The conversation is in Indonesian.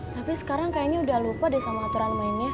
tapi sekarang kayaknya udah lupa deh sama aturan mainnya